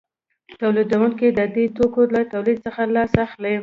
تولیدونکي د دې توکو له تولید څخه لاس اخلي